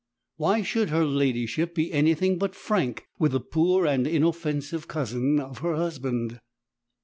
Why should her ladyship be anything but frank with the poor and inoffensive cousin of her husband?